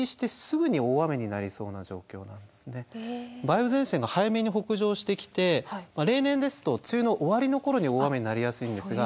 今年は梅雨前線が早めに北上してきて例年ですと梅雨の終わりの頃に大雨になりやすいんですが。